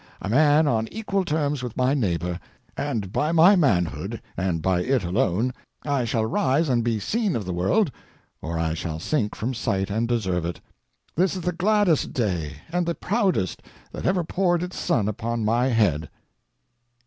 a man on equal terms with my neighbor; and by my manhood, and by it alone, I shall rise and be seen of the world, or I shall sink from sight and deserve it. This is the gladdest day, and the proudest, that ever poured it's sun upon my head!"